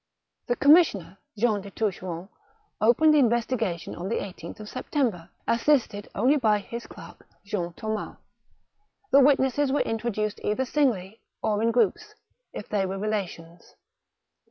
The commissioner, Jean de Toucheronde, opened the investigation on the 18th September, assisted only by his clerk, Jean Thomas. The witnesses were intro duced either singly, or in groups, if they were rela tions.